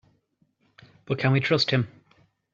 But can we trust him?